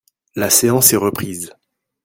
La séance est reprise.